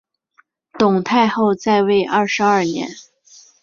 董太后在位二十二年。